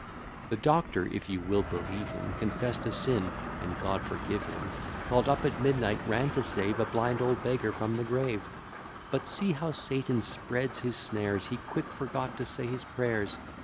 The Doctor, if you will believe him, Confess'd a sin; (and God forgive him!) Call'd up at midnight, ran to save A blind old beggar from the grave: But see how Satan spreads his snares; He quite forgot to say his prayers.